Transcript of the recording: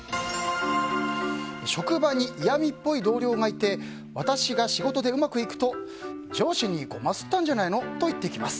職場に嫌みっぽい同僚がいて私が仕事でうまくいくと上司にごますったんじゃないの？と言ってきます。